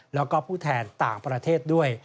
แล้วก็ผู้แทนต่างประเทศด้วย